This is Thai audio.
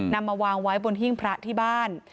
นำมาวางไว้บนหิ้งพระที่บ้าน